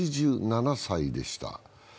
８７歳でした。